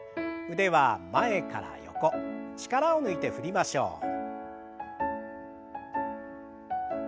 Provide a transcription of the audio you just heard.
腕は前から横力を抜いて振りましょう。